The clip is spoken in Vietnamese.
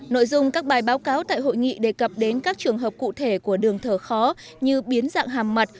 nội dung các bài báo cáo tại hội nghị đề cập đến các trường hợp cụ thể của đường thở khó như biến dạng hàm mặt